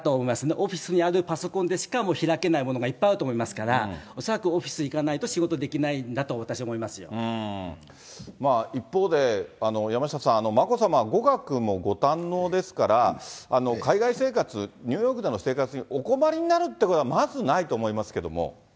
オフィスにあるパソコンでしかも開けないものがいっぱいあると思いますから、恐らくオフィス行かないと仕事できないんだと、私思一方で、山下さん、眞子さまは語学もご堪能ですから、海外生活、ニューヨークでの生活にお困りになるってことはまずないと思いますけども。